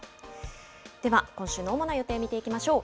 では今週の主な予定、見ていきましょう。